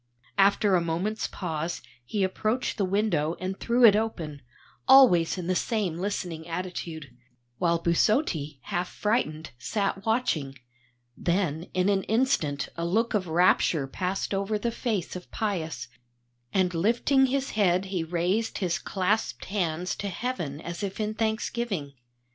After a moment's pause he approached the window and threw it open, always in the same listening attitude, while Busotti, half frightened, sat watching. Then in an instant a look of rapture passed over the face of Pius, and lifting his head he raised his clasped hands to Heaven as if in thanksgiving.